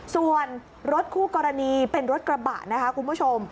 ส่วนรถคู่กรณีเป็นรถกระบะนะคะคุณผู้ชม